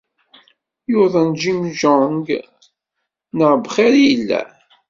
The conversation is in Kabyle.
Yuḍen Kim Jong neɣ bxir i yella?